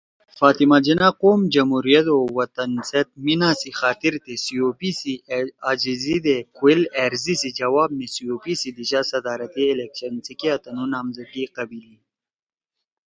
فاطمہ جناح قوم، جمہوریت او وطن سیت میِنا سی خاطر تے COP سی أجیِزی دے کُوئیل أرزی سی جواب می COP سی دیِشا صدارتی الیکشن سی کیا تنُو نامزدگی قیبیِلی